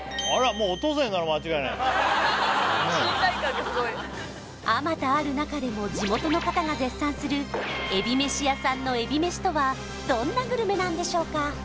もうお父さんがいうならあまたある中でも地元の方が絶賛するえびめしやさんのえびめしとはどんなグルメなんでしょうか？